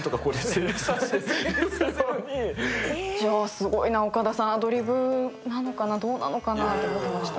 すごいな岡田さん、アドリブなのかなどうかなと思ってました。